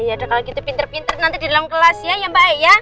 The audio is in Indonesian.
yaudah kalau gitu pinter pinter nanti di dalam kelas ya ya mbak e ya